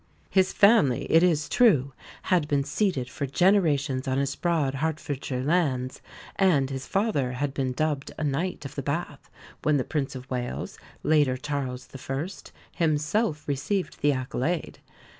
His family, it is true, had been seated for generations on its broad Hertfordshire lands, and his father had been dubbed a Knight of the Bath when the Prince of Wales, later Charles I., himself received the accolade.